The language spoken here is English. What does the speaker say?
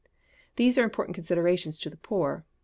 These are important considerations to the poor.